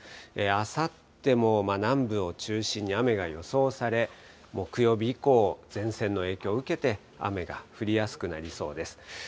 あさっても南部を中心に雨が予想され、木曜日以降、前線の影響を受けて雨が降りやすくなりそうです。